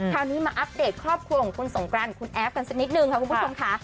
คราวนี้มาอัปเดตครอบครัวของคุณสงกรานคุณแอฟกันสักนิดนึงค่ะคุณผู้ชมค่ะ